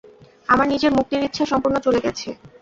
আমার নিজের মুক্তির ইচ্ছা সম্পূর্ণ চলে গেছে।